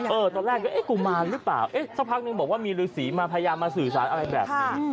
เอ๊ะสักพักหนึ่งบอกว่ามีฤษีมาพยายามมาสื่อสารอะไรแบบนี้